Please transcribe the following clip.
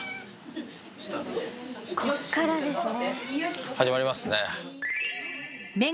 こっからですね。